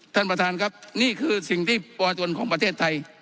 ท่านประธานครับนี่คือสิ่งที่ปอตนของประเทศไทย